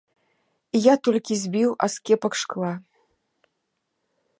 Я толькі збіў аскепак шкла.